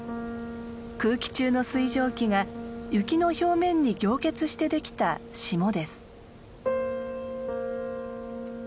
空気中の水蒸気が雪の表面に凝結してできた霜です。